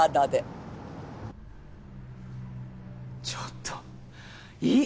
ちょっといい。